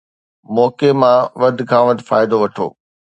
موقعي مان وڌ کان وڌ فائدو وٺو